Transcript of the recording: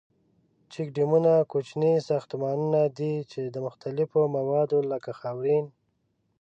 چیک ډیمونه کوچني ساختمانونه دي ،چې د مختلفو موادو لکه خاورین.